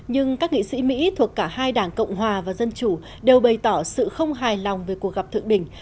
nhưng các nghị sĩ mỹ thuộc cả hai đảng cộng hòa và dân chủ đều bày tỏ sự không hài lòng về cuộc gặp thượng đỉnh